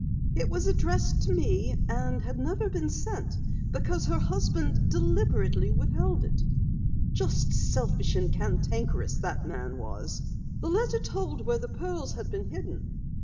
It was addressed to me, and had never been sent, because her husband deliberately withheld it. Just selfish and cantankerous, that man was! The letter told where the pearls had been hidden.